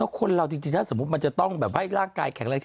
คนเราจริงถ้าสมมุติมันจะต้องแบบให้ร่างกายแข็งแรง